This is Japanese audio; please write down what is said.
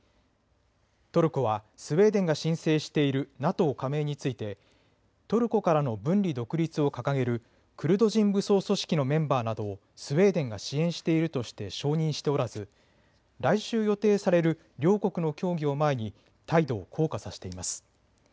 トルコはスウェーデンが申請しているＮＡＴＯ加盟についてトルコからの分離独立を掲げるクルド人武装組織のメンバーなどをスウェーデンが支援しているとして承認しておらず来週予定される両国の協議を前に態度を硬化させています。